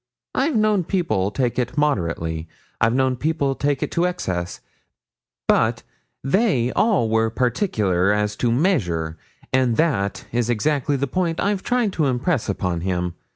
I've known people take it moderately. I've known people take it to excess, but they all were particular as to measure, and that is exactly the point I've tried to impress upon him.